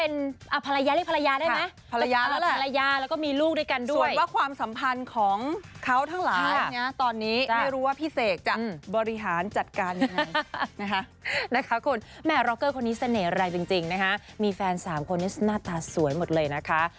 คุณแม่ร็อกเกอร์คนนี้เสน่ห์อะไรจริงนะคะมีแฟน๓คนที่หน้าตาสวยหมดเลยนะคะ